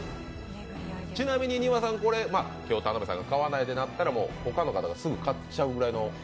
ちなみに丹羽さん、今日、田辺さんが買わないとなったら、もうほかの方がすぐ買っちゃうぐらいの？